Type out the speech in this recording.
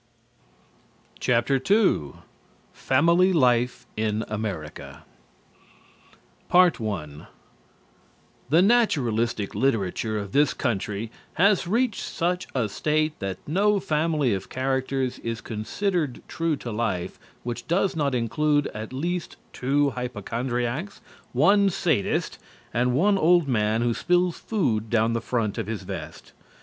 II FAMILY LIFE IN AMERICA PART I The naturalistic literature of this country has reached such a state that no family of characters is considered true to life which does not include at least two hypochondriacs, one sadist, and one old man who spills food down the front of his vest.